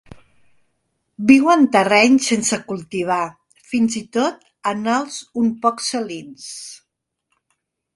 Viu en terrenys sense cultivar, fins i tot en els un poc salins.